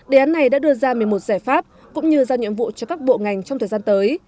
đề án này đã đưa ra một mươi một giải pháp cũng như giao nhiệm vụ cho các bộ ngành trong thời gian tới